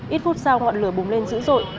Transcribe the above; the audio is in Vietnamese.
ít phút sau ngọn lửa bùm lên dữ dội